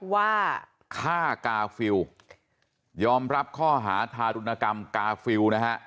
ว่าฆ่ากาฟิลยอมรับข้อหาทารุณกรรมกาฟิลนะฮะ